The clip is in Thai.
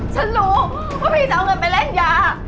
ฉันรู้ว่าพี่จะเอาเงินไปเล่นยา